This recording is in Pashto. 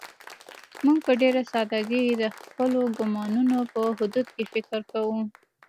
موږ په ډېره سادهګۍ د خپلو ګومانونو په حدودو کې فکر کوو.